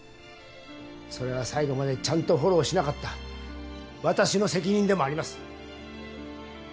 それは最後までちゃんとフォローしなかった私の責任でもあります。